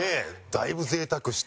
だいぶ贅沢して。